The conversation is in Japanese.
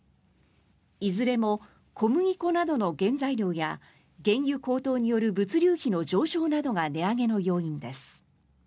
いずれも小麦粉などの原材料や原油高騰による物流費の上昇などが値上げの要因です。